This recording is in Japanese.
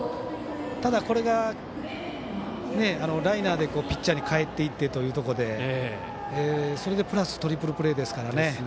ただ、これがライナーでピッチャーにかえっていってというところでそれプラストリプルプレーですから。